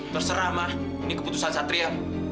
terserah mah ini keputusan satria